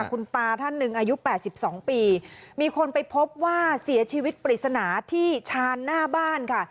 คุณตาท่านหนึ่งอายุ๘๒ปีมีคนไปพบว่าเสียชีวิตปริศนาที่ชานหน้าบ้านค่ะ